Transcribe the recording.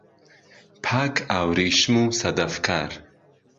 پاک ئاوریشم و سەدهفکار